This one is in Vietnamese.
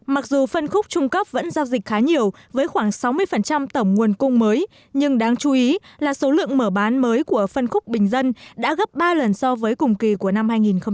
mặc dù phân khúc trung cấp vẫn giao dịch khá nhiều với khoảng sáu mươi tổng nguồn cung mới nhưng đáng chú ý là số lượng mở bán mới của phân khúc bình dân đã gấp ba lần so với cùng kỳ của năm hai nghìn một mươi tám